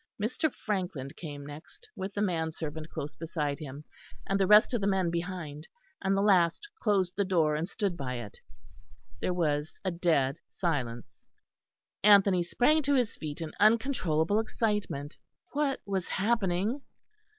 Mr. Frankland came next, with the man servant close beside him, and the rest of the men behind; and the last closed the door and stood by it. There was a dead silence; Anthony sprang to his feet in uncontrollable excitement. What was happening?